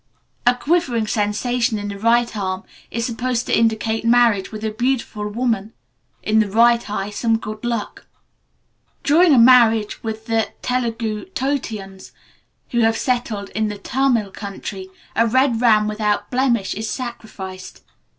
A quivering sensation in the right arm is supposed to indicate marriage with a beautiful woman; in the right eye some good luck. During a marriage among the Telugu Tottiyans, who have settled in the Tamil country, a red ram without blemish is sacrificed.